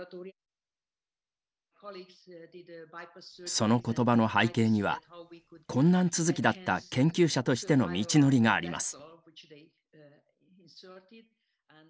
そのことばの背景には困難続きだった研究者としての道のりがあります。